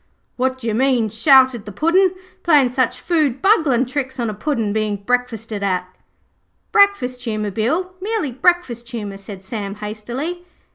'What d'yer mean,' shouted the Puddin', 'playing such foodbungling tricks on a Puddin' being breakfasted at?' 'Breakfast humour, Bill, merely breakfast humour,' said Sam hastily.